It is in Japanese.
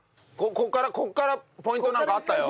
ここからここからポイントなんかあったよ。